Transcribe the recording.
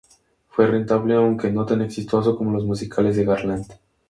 Fue rentable aunque no tan exitoso como los musicales de Garland.